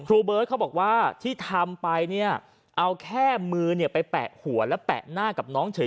เบิร์ตเขาบอกว่าที่ทำไปเนี่ยเอาแค่มือเนี่ยไปแปะหัวและแปะหน้ากับน้องเฉย